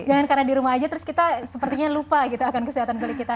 jangan karena di rumah aja terus kita sepertinya lupa gitu akan kesehatan kulit kita